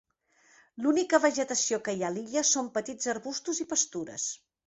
L'única vegetació que hi ha a l'illa són petits arbustos i pastures.